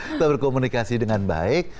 kita berkomunikasi dengan baik